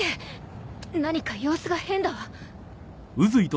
何か様子が変だわ。